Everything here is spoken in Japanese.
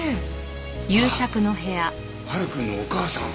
あっ晴くんのお母さん。